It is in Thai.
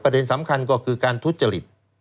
เด็นสำคัญก็คือการทุจริต